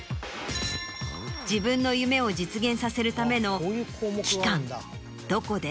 自分の夢を実現させるための期間どこで？